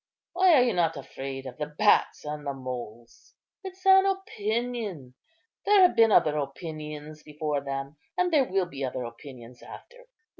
Why are you not afraid of the bats and the moles? It's an opinion: there have been other opinions before them, and there will be other opinions after.